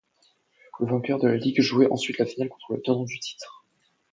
Le vainqueur de la ligue jouait ensuite la finale contre le tenant du titre.